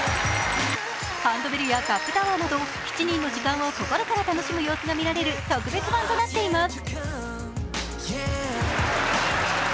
ハンドベルやカップタワーなど７人の時間を心から楽しむ様子が見られる特別版となています。